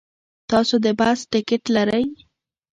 تاسو د بس ټکټ لرئ؟